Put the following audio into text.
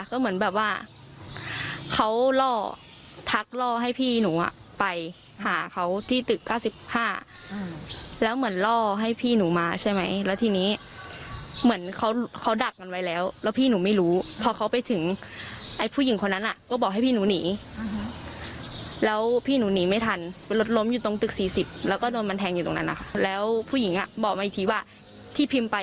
ก็เหมือนแบบว่าเขาล่อทักล่อให้พี่หนูอ่ะไปหาเขาที่ตึก๙๕แล้วเหมือนล่อให้พี่หนูมาใช่ไหมแล้วทีนี้เหมือนเขาเขาดักกันไว้แล้วแล้วพี่หนูไม่รู้พอเขาไปถึงไอ้ผู้หญิงคนนั้นอ่ะก็บอกให้พี่หนูหนีแล้วพี่หนูหนีไม่ทันรถล้มอยู่ตรงตึก๔๐แล้วก็โดนมันแทงอยู่ตรงนั้นนะคะแล้วผู้หญิงอ่ะบอกมาอีกทีว่าที่พิมพ์ไป